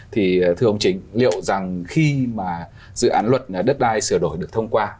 thì thưa ông chính liệu rằng khi mà dự án luật đất đai sửa đổi được thông qua